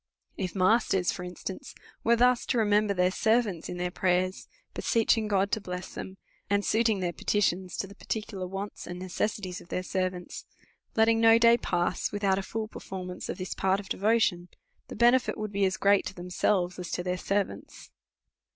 If masters, for instance, were thus to remember their servants in their prayers, beseeching God to bless them, and suiting their petitions to tiie particular wants and necessities of their servants ; letting no day pass without a full performance of this part of devo tion, the benefit would be as o>reat to themselves as to their servants.